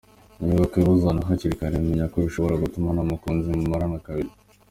Niba ubukwe ubuzana hakiri kare cyane, menya ko bishobora gutuma nta mukunzi mumarana kabiri.